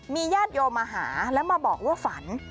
ญาติโยมมาหาแล้วมาบอกว่าฝัน